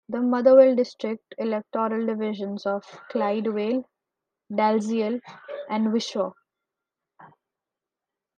The Motherwell District electoral divisions of Clydevale, Dalziel, and Wishaw.